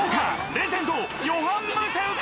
レジェンドヨハン・ムセウか？